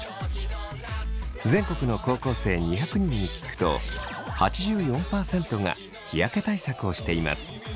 全国の高校生２００人に聞くと８４％が日焼け対策をしています。